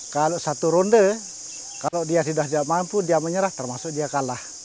kalau satu ronde kalau dia sudah tidak mampu dia menyerah termasuk dia kalah